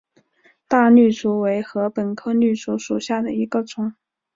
大绿竹为禾本科绿竹属下的一个种。